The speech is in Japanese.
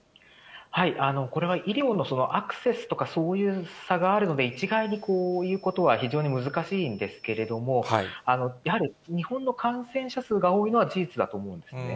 これは医療のアクセスとかそういう差があるので、一概にこう、言うことは非常に難しいんですけれども、やはり日本の感染者数が多いのは事実だと思うんですね。